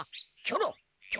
キョロ！